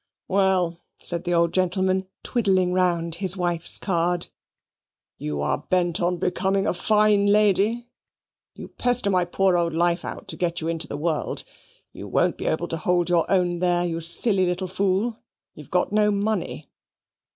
"Well," said the old gentleman, twiddling round his wife's card, "you are bent on becoming a fine lady. You pester my poor old life out to get you into the world. You won't be able to hold your own there, you silly little fool. You've got no money."